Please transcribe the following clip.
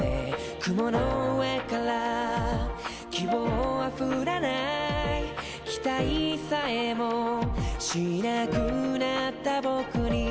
「雲の上から希望は降らない」「期待さえもしなくなった僕に」